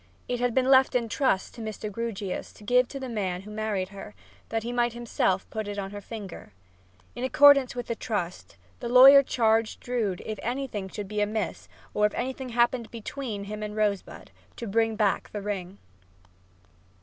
It had been left in trust to Mr. Grewgious to give to the man who married her, that he might himself put it on her finger. And in accordance with the trust, the lawyer charged Drood if anything should be amiss or if anything happened between him and Rosebud, to bring back the ring.